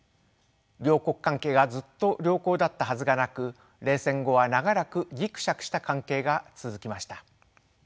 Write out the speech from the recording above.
両国関係がずっと良好だったはずがなく冷戦後は長らくギクシャクした関係が続きました。